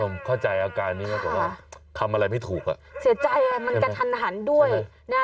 ไปการเราเนี่ยอย่างง่ายแล้วว่าใจอาการนี้บ่อยทำอะไรไม่ถูกอ่ะส่วนใจมันก็ทันด้วยเนี่ยเราพูดที่สูดที่สุดกลางโครวิทยาบาล